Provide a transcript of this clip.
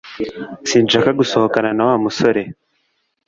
Sinshaka gusohokana na Wa musore